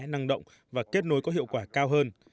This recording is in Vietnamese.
năng động và kết nối có hiệu quả cao hơn